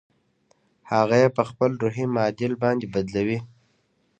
هغه يې په خپل روحي معادل باندې بدلوي.